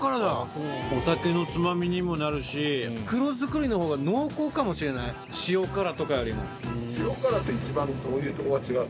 お酒のつまみにもなるし「黒作り」のほうが濃厚かもしれない塩辛とかよりも。